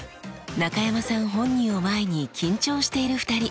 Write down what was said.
中山さん本人を前に緊張している２人。